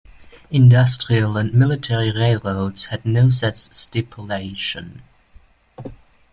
Industrial and military railroads had no such stipulation.